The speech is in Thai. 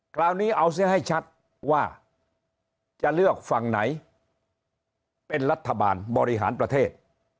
คราวนี้เอาเสียให้ชัดว่าจะเลือกฝั่งไหนเป็นรัฐบาลบริหารประเทศ